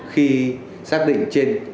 khi xác định trên